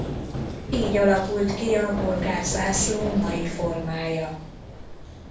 Így alakult ki a bolgár zászló mai formája.